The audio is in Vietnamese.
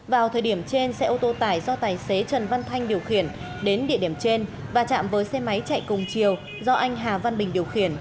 vào thời điểm trên xe ô tô tải do tài xế trần văn thanh điều khiển đến địa điểm trên và chạm với xe máy chạy cùng chiều do anh hà văn bình điều khiển